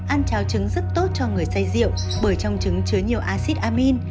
ăn cháo trứng rất tốt cho người say rượu bởi trong trứng chứa nhiều acid amin